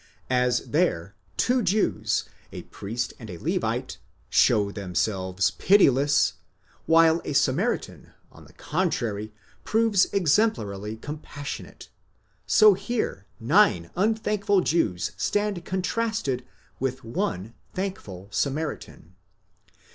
As there two Jews, a priest and a Levite, show themselves pitiless, while a Samaritan, on the contrary, proves ex emplarily compassionate: so here, nine unthankful Jews stand contrasted with one thankful Samaritan.